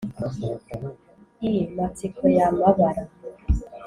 i matsiko ya mabara,